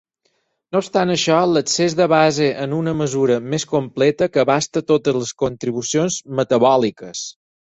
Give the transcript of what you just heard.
No obstant això, l'excés de base és una mesura més completa que abasta totes les contribucions metabòliques.